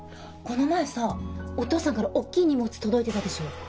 この前さお父さんから大っきい荷物届いてたでしょ。